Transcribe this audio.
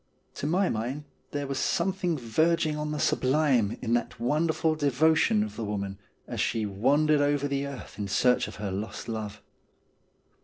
To my mind there was something verging on the sublime in that wonderful devotion of the woman as she wandered over the earth in search of her lost love.